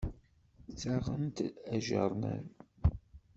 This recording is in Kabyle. Ttaɣent-d aǧernan.